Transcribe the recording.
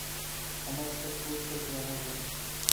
আমার শত্রুর শত্রু আমার বন্ধু।